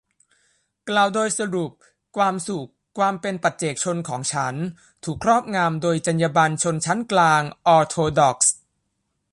กล่าวโดยสรุปความสุขความเป็นปัจเจกชนของฉันถูกครอบงำโดยจรรยาบรรณชนชั้นกลางออร์โธดอกซ์